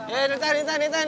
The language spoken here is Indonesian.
ya disan disan disan